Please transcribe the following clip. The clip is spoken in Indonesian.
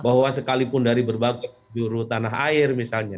bahwa sekalipun dari berbagai juru tanah air misalnya